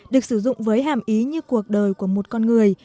được sử dụng với hàm ý như cuộc đời của một con người